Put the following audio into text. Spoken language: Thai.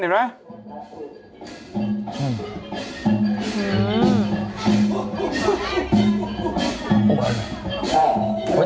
เดินเห็นไหม